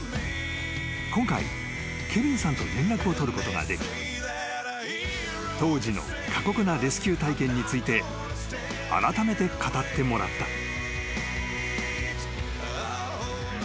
［今回ケビンさんと連絡を取ることができ当時の過酷なレスキュー体験についてあらためて語ってもらった］